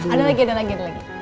ada lagi ada lagi